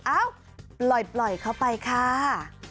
เอ้าปล่อยเข้าไปค่ะ